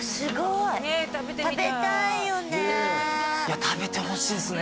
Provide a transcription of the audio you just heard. いや食べてほしいですね